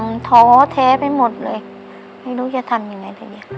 มันท้อแท้ไปหมดเลยไม่รู้จะทำยังไงทีเนี้ย